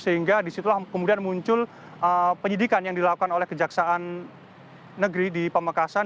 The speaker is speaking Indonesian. sehingga disitulah kemudian muncul penyidikan yang dilakukan oleh kejaksaan negeri di pamekasan